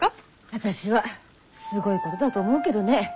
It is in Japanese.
私はすごいことだと思うけどね。